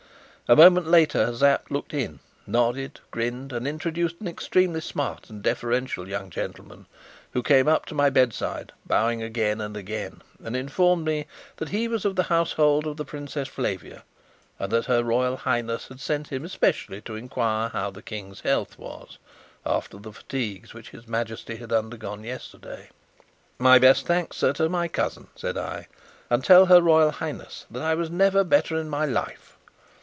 A moment later Sapt looked in, nodded, grinned, and introduced an extremely smart and deferential young gentleman, who came up to my bedside, bowing again and again, and informed me that he was of the household of the Princess Flavia, and that her Royal Highness had sent him especially to enquire how the King's health was after the fatigues which his Majesty had undergone yesterday. "My best thanks, sir, to my cousin," said I; "and tell her Royal Highness that I was never better in my life."